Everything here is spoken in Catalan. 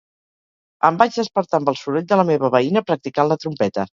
Em vaig despertar amb el soroll de la meva veïna practicant la trompeta.